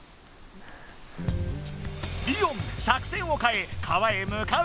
リオン作戦をかえ川へむかう。